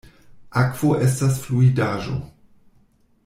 Akvo estas fluidaĵo.